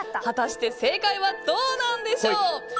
果たして正解はどうなんでしょう。